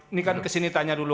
ini kan kesini tanya dulu